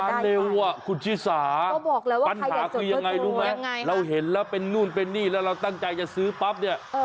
เร็วอ่ะคุณชิสาปัญหาคือยังไงรู้ไหมเราเห็นแล้วเป็นนู่นเป็นนี่แล้วเราตั้งใจจะซื้อปั๊บเนี่ย